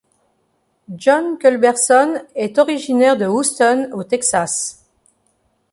John Culberson est originaire de Houston au Texas.